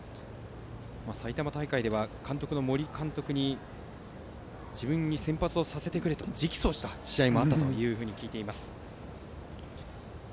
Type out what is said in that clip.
埼玉大会では森監督に自分に先発させてくれと直訴した試合もあったと聞きます。